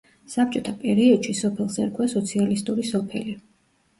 საბჭოთა პერიოდში სოფელს ერქვა სოციალისტური სოფელი.